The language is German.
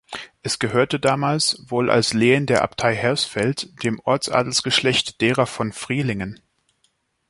Es gehörte damals, wohl als Lehen der Abtei Hersfeld, dem Ortsadelsgeschlecht derer von Frielingen.